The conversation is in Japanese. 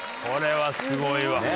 これはすごいわ。